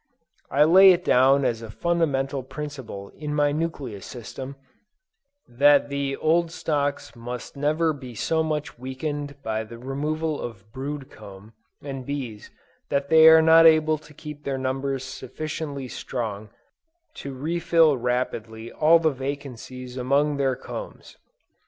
I lay it down as a fundamental principle in my nucleus system, that the old stocks must never be so much weakened by the removal of brood comb and bees that they are not able to keep their numbers sufficiently strong to refill rapidly all the vacancies among their combs.